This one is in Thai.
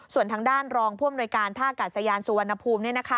ส่วนทางด้านรองผู้อำนวยการท่ากาศยานสุวรรณภูมิ